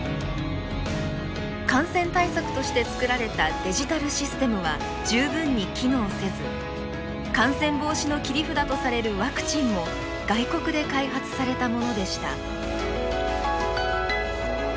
感染対策として作られたデジタルシステムは十分に機能せず感染防止の切り札とされるワクチンも外国で開発されたものでした。